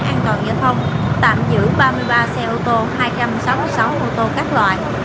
an toàn giao thông tạm giữ ba mươi ba xe ô tô hai trăm sáu mươi sáu ô tô các loại